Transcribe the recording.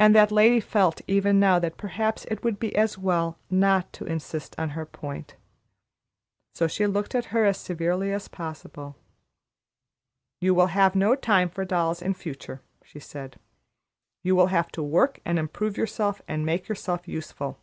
And that lady felt even now that perhaps it would be as well not to insist on her point. So she looked at her as severely as possible. "You will have no time for dolls in future," she said; "you will have to work and improve yourself, and make yourself useful."